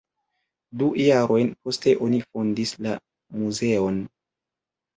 Du jarojn poste oni fondis la muzeon.